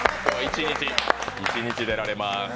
一日出られます。